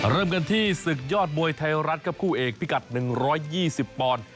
เริ่มกันที่ศึกยอดมวยไทยรัฐครับคู่เอกพิกัด๑๒๐ปอนด์